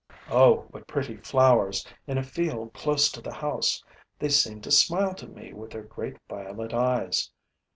Oh, what pretty flowers, in a field close to the house! They seem to smile to me with their great violet eyes.